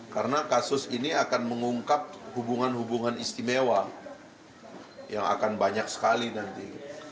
karena kasus ini akan mengungkap hubungan hubungan istimewa yang akan banyak sekali nanti